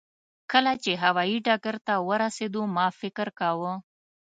کله چې هوایي ډګر ته ورسېدو ما فکر کاوه.